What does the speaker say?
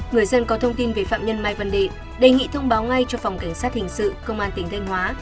người dân có thông tin về phạm nhân mai văn đệ nghị thông báo ngay cho phòng cảnh sát hình sự công an tỉnh thanh hóa